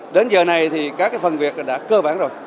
đến giờ này thì các phần việc đã cơ bản rồi